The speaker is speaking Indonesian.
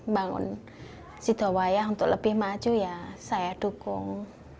bangun sidowayah untuk lebih maju ya saya dukung